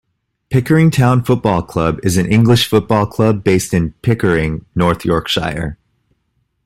Pickering Town Football Club is an English football club based in Pickering, North Yorkshire.